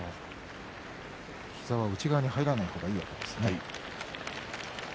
膝は内側に入れない方がいいわけですね。